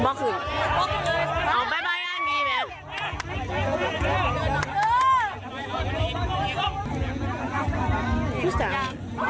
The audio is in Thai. ครูสาง